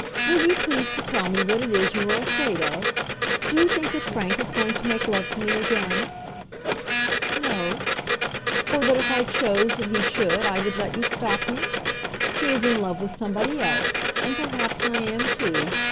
Will you please to tell me what it is you are afraid of? Do you think that Frank is going to make love to me again?" "No." "Or that if I chose that he should I would let you stop me? He is in love with somebody else, and perhaps I am too.